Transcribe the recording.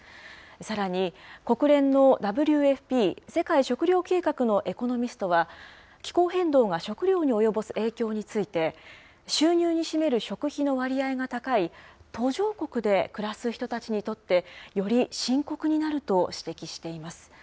さらに、国連のＷＦＰ・世界食糧計画のエコノミストは、気候変動が食料に及ぼす影響について、収入に占める食費の割合が高い途上国で暮らす人たちにとって、より深刻になると指摘しています。